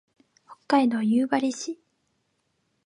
北海道夕張市